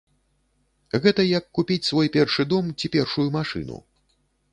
Гэта як купіць свой першы дом ці першую машыну.